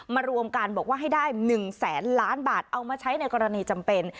รวมกันบอกว่าให้ได้๑แสนล้านบาทเอามาใช้ในกรณีจำเป็น